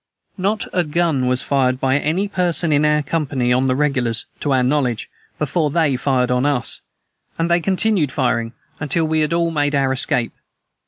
Not a gun was fired by any person in our company on the regulars, to our knowledge, before they fired on us, and they continued firing until we had all made our escape.